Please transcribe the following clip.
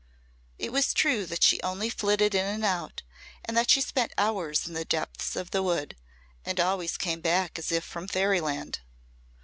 It was true that she only flitted in and out, and that she spent hours in the depths of the wood, and always came back as if from fairy land.